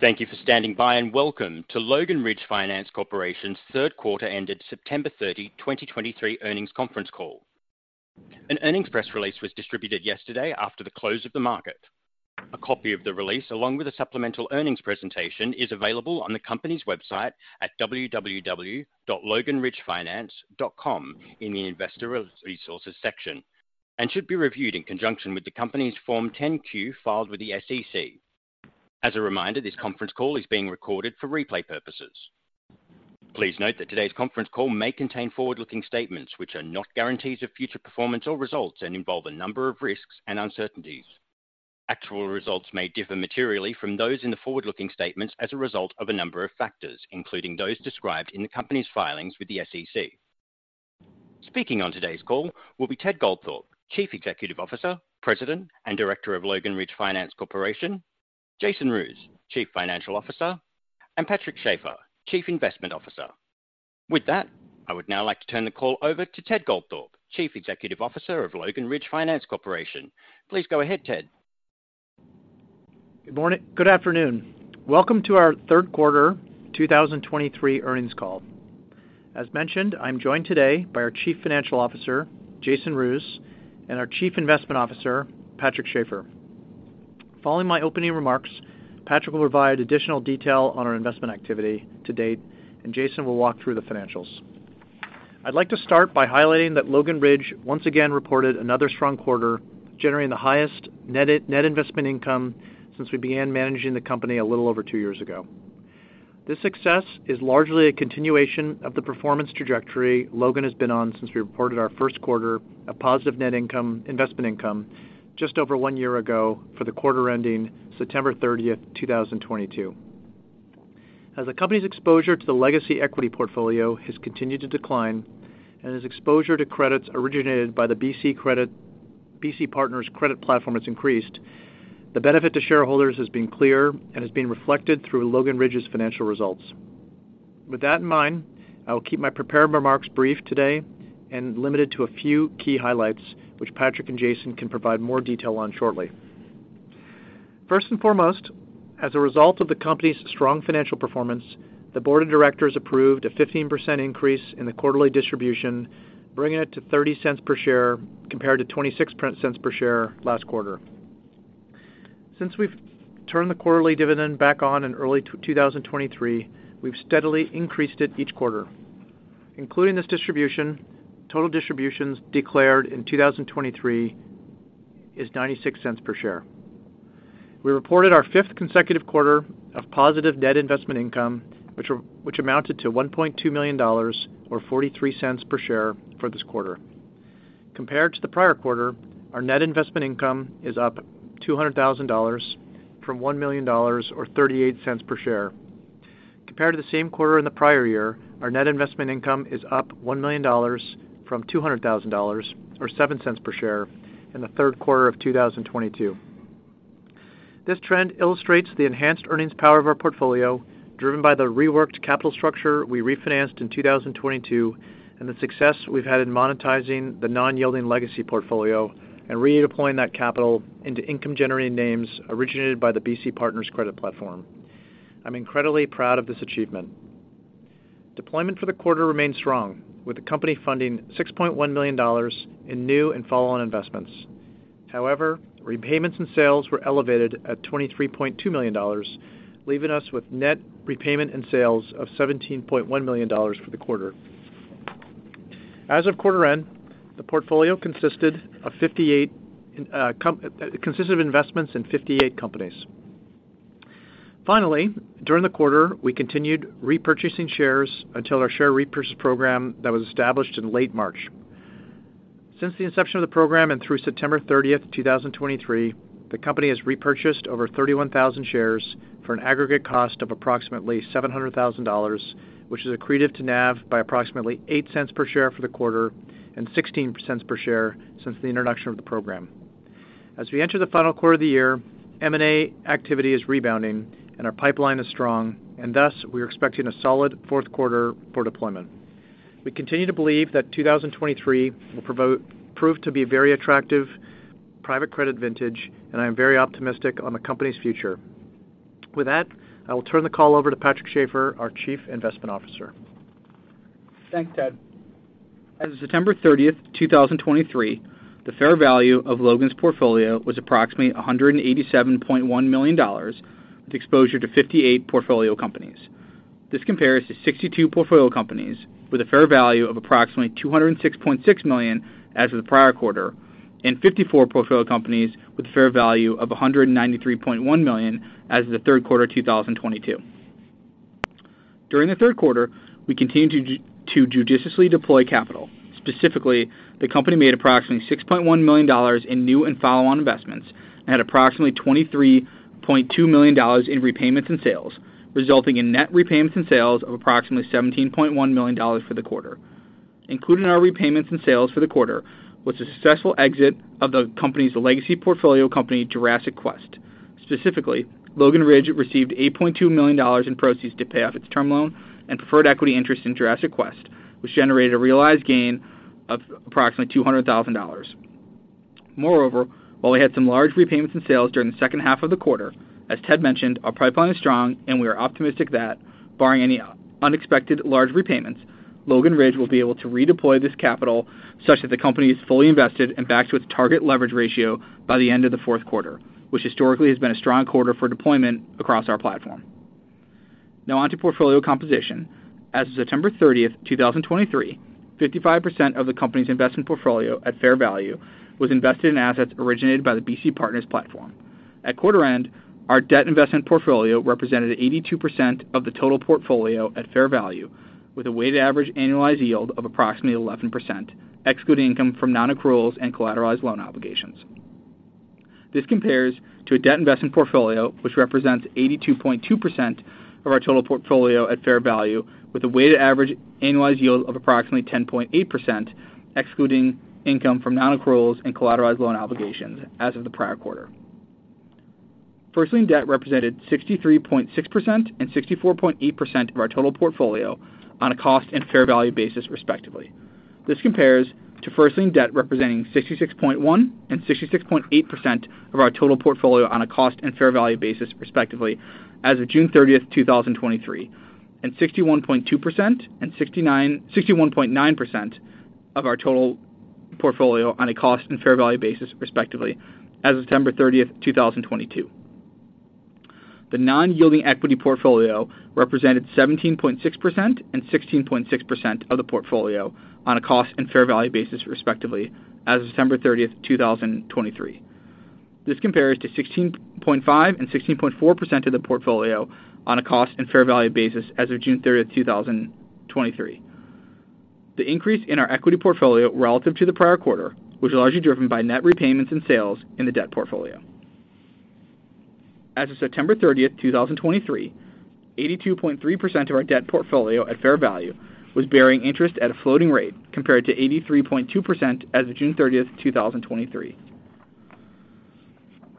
Thank you for standing by, and welcome to Logan Ridge Finance Corporation's Third Quarter ended September 30, 2023 earnings conference call. An earnings press release was distributed yesterday after the close of the market. A copy of the release, along with a supplemental earnings presentation, is available on the company's website at www.loganridgefinance.com in the Investor Resources section, and should be reviewed in conjunction with the company's Form 10-Q filed with the SEC. As a reminder, this conference call is being recorded for replay purposes. Please note that today's conference call may contain forward-looking statements, which are not guarantees of future performance or results and involve a number of risks and uncertainties. Actual results may differ materially from those in the forward-looking statements as a result of a number of factors, including those described in the company's filings with the SEC. Speaking on today's call will be Ted Goldthorpe, Chief Executive Officer, President, and Director of Logan Ridge Finance Corporation; Jason Roos, Chief Financial Officer; and Patrick Schafer, Chief Investment Officer. With that, I would now like to turn the call over to Ted Goldthorpe, Chief Executive Officer of Logan Ridge Finance Corporation. Please go ahead, Ted. Good afternoon. Welcome to our third quarter 2023 earnings call. As mentioned, I'm joined today by our Chief Financial Officer, Jason Roos, and our Chief Investment Officer, Patrick Schafer. Following my opening remarks, Patrick will provide additional detail on our investment activity to date, and Jason will walk through the financials. I'd like to start by highlighting that Logan Ridge once again reported another strong quarter, generating the highest net investment income since we began managing the company a little over two years ago. This success is largely a continuation of the performance trajectory Logan has been on since we reported our first quarter of positive net investment income just over 1 year ago for the quarter ending September 30, 2022. As the company's exposure to the legacy equity portfolio has continued to decline and as exposure to credits originated by the BCP Credit, BC Partners credit platform has increased, the benefit to shareholders has been clear and has been reflected through Logan Ridge's financial results. With that in mind, I will keep my prepared remarks brief today and limited to a few key highlights, which Patrick and Jason can provide more detail on shortly. First and foremost, as a result of the company's strong financial performance, the board of directors approved a 15% increase in the quarterly distribution, bringing it to $0.30 per share, compared to $0.26 per share last quarter. Since we've turned the quarterly dividend back on in early 2023, we've steadily increased it each quarter. Including this distribution, total distributions declared in 2023 is $0.96 per share. We reported our fifth consecutive quarter of positive net investment income, which amounted to $1.2 million or $0.43 per share for this quarter. Compared to the prior quarter, our net investment income is up $200,000 from $1 million, or $0.38 per share. Compared to the same quarter in the prior year, our net investment income is up $1 million from $200,000 or $0.07 per share in the third quarter of 2022. This trend illustrates the enhanced earnings power of our portfolio, driven by the reworked capital structure we refinanced in 2022, and the success we've had in monetizing the non-yielding legacy portfolio and redeploying that capital into income-generating names originated by the BC Partners credit platform. I'm incredibly proud of this achievement. Deployment for the quarter remained strong, with the company funding $6.1 million in new and follow-on investments. However, repayments and sales were elevated at $23.2 million, leaving us with net repayment and sales of $17.1 million for the quarter. As of quarter end, the portfolio consisted of investments in 58 companies. Finally, during the quarter, we continued repurchasing shares until our share repurchase program that was established in late March. Since the inception of the program and through September 30, 2023, the company has repurchased over 31,000 shares for an aggregate cost of approximately $700,000, which is accretive to NAV by approximately $0.08 per share for the quarter and $0.16 per share since the introduction of the program. As we enter the final quarter of the year, M&A activity is rebounding and our pipeline is strong, and thus, we are expecting a solid fourth quarter for deployment. We continue to believe that 2023 will prove to be a very attractive private credit vintage, and I am very optimistic on the company's future. With that, I will turn the call over to Patrick Schafer, our Chief Investment Officer. Thanks, Ted. As of September 30, 2023, the fair value of Logan's portfolio was approximately $187.1 million, with exposure to 58 portfolio companies. This compares to 62 portfolio companies with a fair value of approximately $206.6 million as of the prior quarter, and 54 portfolio companies with a fair value of $193.1 million as of the third quarter of 2022. During the third quarter, we continued to judiciously deploy capital. Specifically, the company made approximately $6.1 million in new and follow-on investments and had approximately $23.2 million in repayments and sales, resulting in net repayments and sales of approximately $17.1 million for the quarter. Included in our repayments and sales for the quarter was a successful exit of the company's legacy portfolio company, Jurassic Quest. Specifically, Logan Ridge received $8.2 million in proceeds to pay off its term loan and preferred equity interest in Jurassic Quest, which generated a realized gain of approximately $200,000. Moreover, while we had some large repayments and sales during the second half of the quarter, as Ted mentioned, our pipeline is strong and we are optimistic that, barring any unexpected large repayments, Logan Ridge will be able to redeploy this capital such that the company is fully invested and back to its target leverage ratio by the end of the fourth quarter, which historically has been a strong quarter for deployment across our platform. Now on to portfolio composition. As of September 30, 2023, 55% of the company's investment portfolio at fair value was invested in assets originated by the BC Partners platform. At quarter end, our debt investment portfolio represented 82% of the total portfolio at fair value, with a weighted average annualized yield of approximately 11%, excluding income from non-accruals and collateralized loan obligations. This compares to a debt investment portfolio which represents 82.2% of our total portfolio at fair value, with a weighted average annualized yield of approximately 10.8%, excluding income from non-accruals and collateralized loan obligations as of the prior quarter. First lien debt represented 63.6% and 64.8% of our total portfolio on a cost and fair value basis, respectively. This compares to first lien debt representing 66.1% and 66.8% of our total portfolio on a cost and fair value basis, respectively, as of June 30, 2023, and 61.2% and 61.9% of our total portfolio on a cost and fair value basis, respectively, as of September 30, 2022. The non-yielding equity portfolio represented 17.6% and 16.6% of the portfolio on a cost and fair value basis, respectively, as of September 30, 2023. This compares to 16.5% and 16.4% of the portfolio on a cost and fair value basis as of June 30, 2023. The increase in our equity portfolio relative to the prior quarter was largely driven by net repayments and sales in the debt portfolio. As of September 30, 2023, 82.3% of our debt portfolio at fair value was bearing interest at a floating rate compared to 83.2% as of June 30, 2023.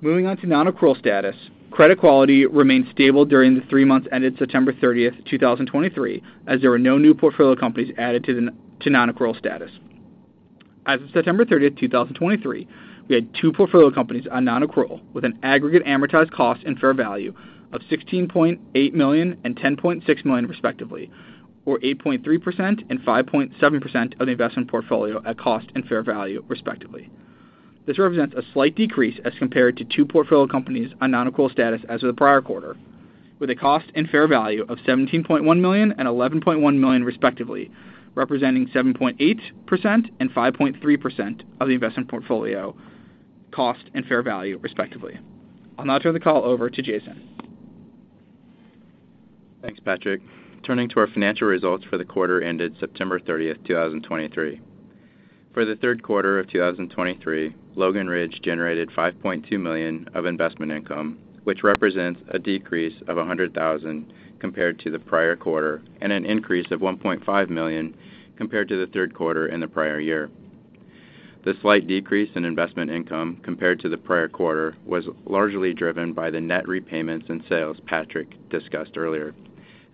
Moving on to non-accrual status. Credit quality remained stable during the three months ended September 30, 2023, as there were no new portfolio companies added to non-accrual status. As of September 30, 2023, we had two portfolio companies on non-accrual with an aggregate amortized cost and fair value of $16.8 million and $10.6 million respectively, or 8.3% and 5.7% of the investment portfolio at cost and fair value, respectively. This represents a slight decrease as compared to two portfolio companies on non-accrual status as of the prior quarter, with a cost and fair value of $17.1 million and $11.1 million respectively, representing 7.8% and 5.3% of the investment portfolio cost and fair value, respectively. I'll now turn the call over to Jason. Thanks, Patrick. Turning to our financial results for the quarter ended September 30, 2023. For the third quarter of 2023, Logan Ridge generated $5.2 million of investment income, which represents a decrease of $100,000 compared to the prior quarter and an increase of $1.5 million compared to the third quarter in the prior year. The slight decrease in investment income compared to the prior quarter was largely driven by the net repayments and sales Patrick discussed earlier,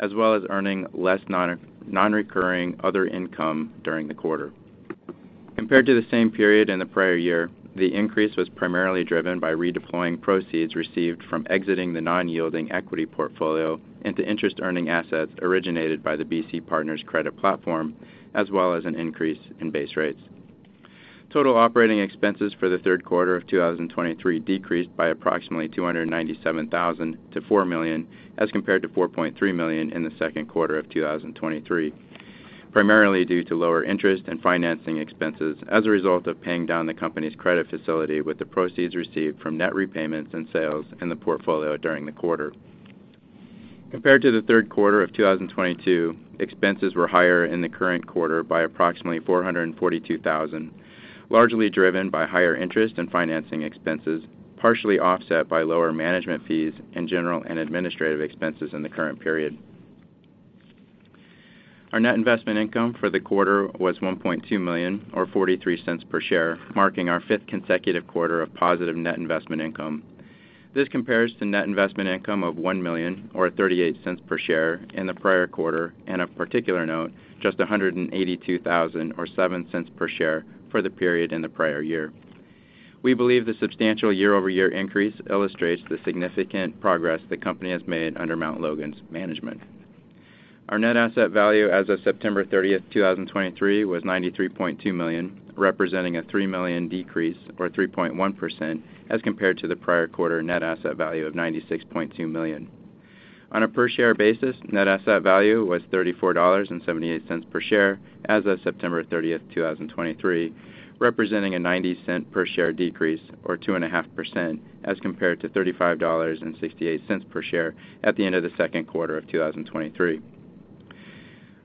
as well as earning less non-recurring other income during the quarter. Compared to the same period in the prior year, the increase was primarily driven by redeploying proceeds received from exiting the non-yielding equity portfolio into interest-earning assets originated by the BC Partners credit platform, as well as an increase in base rates. Total operating expenses for the third quarter of 2023 decreased by approximately $297,000 to $4 million, as compared to $4.3 million in the second quarter of 2023, primarily due to lower interest and financing expenses as a result of paying down the company's credit facility with the proceeds received from net repayments and sales in the portfolio during the quarter. Compared to the third quarter of 2022, expenses were higher in the current quarter by approximately $442,000, largely driven by higher interest and financing expenses, partially offset by lower management fees and general and administrative expenses in the current period. Our net investment income for the quarter was $1.2 million, or $0.43 per share, marking our fifth consecutive quarter of positive net investment income. This compares to net investment income of $1 million or $0.38 per share in the prior quarter, and of particular note, just $182,000 or $0.07 per share for the period in the prior year. We believe the substantial year-over-year increase illustrates the significant progress the company has made under Mount Logan's management. Our net asset value as of September 30, 2023, was $93.2 million, representing a $3 million decrease or 3.1% as compared to the prior quarter net asset value of $96.2 million. On a per-share basis, net asset value was $34.78 per share as of September 30, 2023, representing a $0.90 per share decrease or 2.5%, as compared to $35.68 per share at the end of the second quarter of 2023.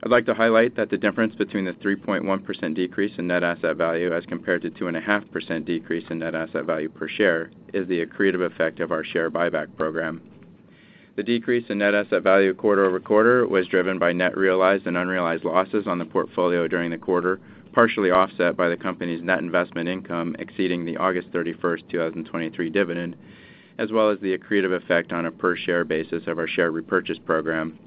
I'd like to highlight that the difference between the 3.1% decrease in net asset value as compared to 2.5% decrease in net asset value per share is the accretive effect of our share buyback program. The decrease in net asset value quarter-over-quarter was driven by net realized and unrealized losses on the portfolio during the quarter, partially offset by the company's net investment income exceeding the August 31, 2023 dividend, as well as the accretive effect on a per-share basis of our share repurchase program...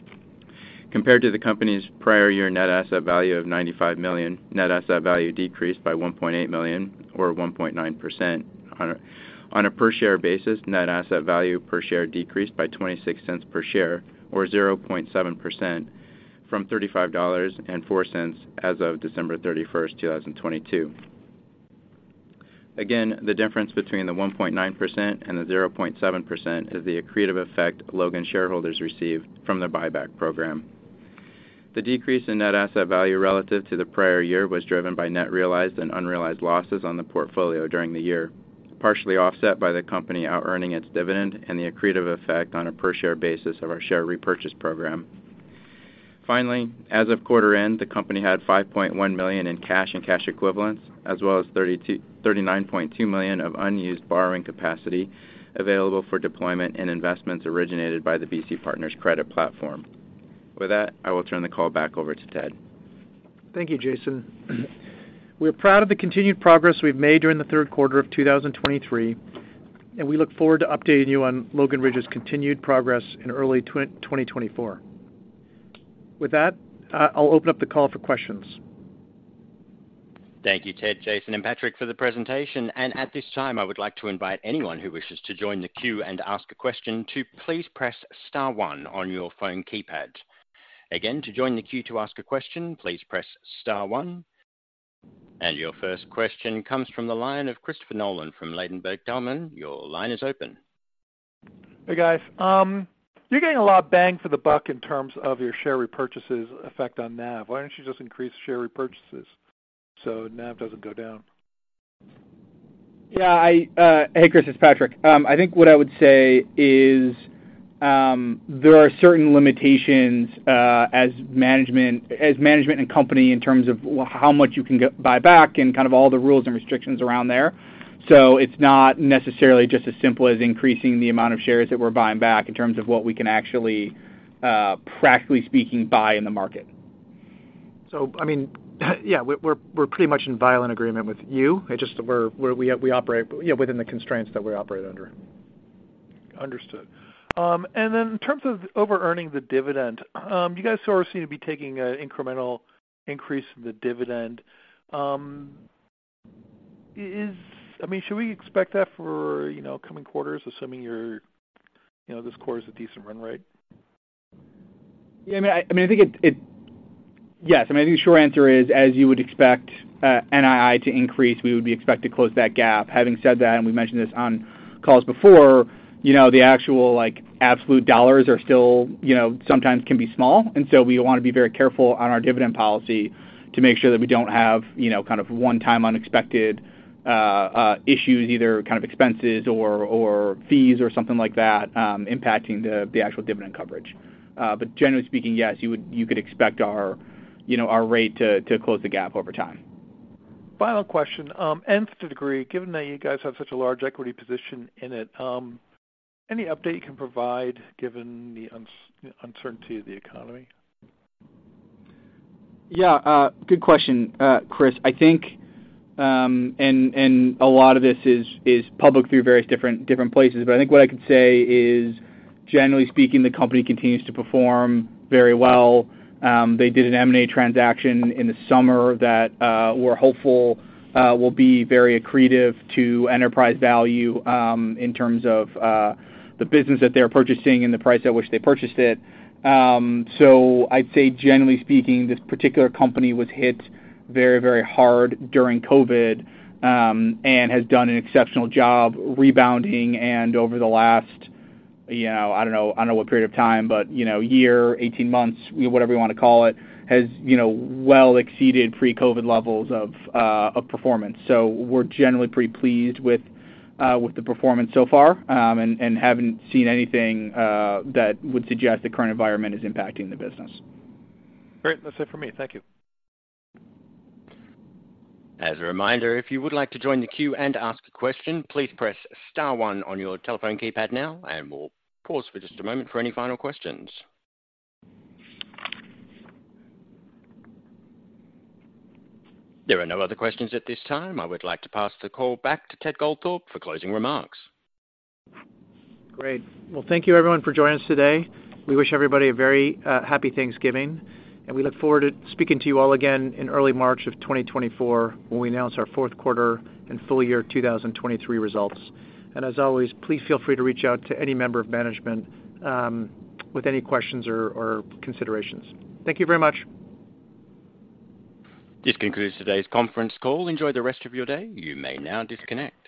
compared to the company's prior year net asset value of $95 million, net asset value decreased by $1.8 million, or 1.9%. On a, on a per-share basis, net asset value per share decreased by $0.26 per share, or 0.7%, from $35.04 as of December 31, 2022. Again, the difference between the 1.9% and the 0.7% is the accretive effect Logan shareholders received from the buyback program. The decrease in net asset value relative to the prior year was driven by net realized and unrealized losses on the portfolio during the year, partially offset by the company outearning its dividend and the accretive effect on a per share basis of our share repurchase program. Finally, as of quarter end, the company had $5.1 million in cash and cash equivalents, as well as $39.2 million of unused borrowing capacity available for deployment and investments originated by the BC Partners credit platform. With that, I will turn the call back over to Ted. Thank you, Jason. We're proud of the continued progress we've made during the third quarter of 2023, and we look forward to updating you on Logan Ridge's continued progress in early 2024. With that, I'll open up the call for questions. Thank you, Ted, Jason, and Patrick, for the presentation. At this time, I would like to invite anyone who wishes to join the queue and ask a question to please press star one on your phone keypad. Again, to join the queue to ask a question, please press star one. Your first question comes from the line of Christopher Nolan from Ladenburg Thalmann. Your line is open. Hey, guys. You're getting a lot of bang for the buck in terms of your share repurchases effect on NAV. Why don't you just increase share repurchases so NAV doesn't go down? Yeah, I... Hey, Chris, it's Patrick. I think what I would say is, there are certain limitations, as management and company, in terms of how much you can buy back and kind of all the rules and restrictions around there. So it's not necessarily just as simple as increasing the amount of shares that we're buying back, in terms of what we can actually, practically speaking, buy in the market. So, I mean, yeah, we're pretty much in violent agreement with you. It's just we operate, yeah, within the constraints that we operate under. Understood. And then in terms of overearning the dividend, you guys sort of seem to be taking an incremental increase in the dividend. I mean, should we expect that for, you know, coming quarters, assuming your, you know, this quarter is a decent run rate? Yeah, I mean, I think... Yes, I mean, I think the short answer is, as you would expect, NII to increase, we would be expected to close that gap. Having said that, and we've mentioned this on calls before, you know, the actual, like, absolute dollars are still, you know, sometimes can be small, and so we wanna be very careful on our dividend policy to make sure that we don't have, you know, kind of one-time unexpected issues, either kind of expenses or, or fees or something like that, impacting the actual dividend coverage. But generally speaking, yes, you would—you could expect our, you know, our rate to close the gap over time. Final question. Nth Degree, given that you guys have such a large equity position in it, any update you can provide, given the uncertainty of the economy? Yeah, good question, Chris. I think and a lot of this is public through various different places, but I think what I can say is, generally speaking, the company continues to perform very well. They did an M&A transaction in the summer that we're hopeful will be very accretive to enterprise value, in terms of the business that they're purchasing and the price at which they purchased it. So I'd say, generally speaking, this particular company was hit very, very hard during COVID and has done an exceptional job rebounding and over the last, you know, I don't know what period of time, but, you know, year, 18 months, whatever you wanna call it, has, you know, well exceeded pre-COVID levels of performance. So we're generally pretty pleased with the performance so far, and haven't seen anything that would suggest the current environment is impacting the business. Great. That's it for me. Thank you. As a reminder, if you would like to join the queue and ask a question, please press star one on your telephone keypad now, and we'll pause for just a moment for any final questions. There are no other questions at this time. I would like to pass the call back to Ted Goldthorpe for closing remarks. Great. Well, thank you, everyone, for joining us today. We wish everybody a very Happy Thanksgiving, and we look forward to speaking to you all again in early March of 2024, when we announce our fourth quarter and full year 2023 results. And as always, please feel free to reach out to any member of management, with any questions or considerations. Thank you very much. This concludes today's conference call. Enjoy the rest of your day. You may now disconnect.